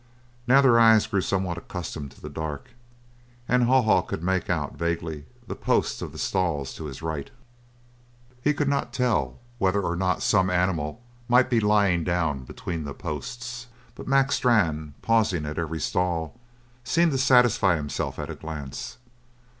Now their eyes grew somewhat accustomed to the dark and Haw Haw could make out, vaguely, the posts of the stalls to his right. He could not tell whether or not some animal might be lying down between the posts, but Mac Strann, pausing at every stall, seemed to satisfy himself at a glance.